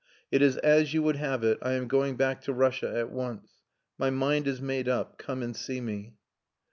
"It is as you would have it. I am going back to Russia at once. My mind is made up. Come and see me."